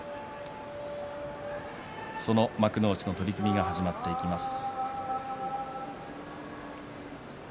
その幕内の取組が始まっていきます。